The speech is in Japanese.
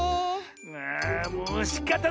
ああもうしかたない！